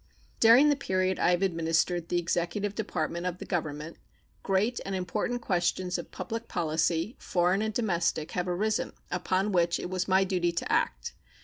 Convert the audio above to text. During the period I have administered the executive department of the Government great and important questions of public policy, foreign and domestic, have arisen, upon which it was my duty to act.